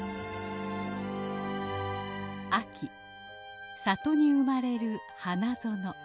秋里に生まれる花園。